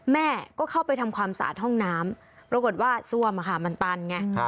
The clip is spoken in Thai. แม่ก็เข้าไปทำความสะอาดห้องน้ำปรากฏว่าซ่วมมันตันไง